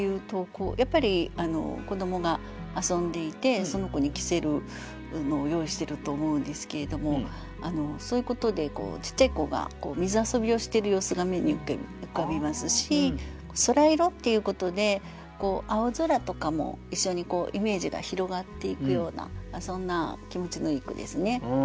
やっぱり子どもが遊んでいてその子に着せるのを用意してると思うんですけれどもそういうことでちっちゃい子が水遊びをしてる様子が目に浮かびますし「空色」っていうことで青空とかも一緒にイメージが広がっていくようなそんな気持ちのいい句ですね。